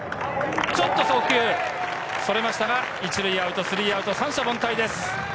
ちょっと送球それましたが、１塁アウト、３アウト、三者凡退です。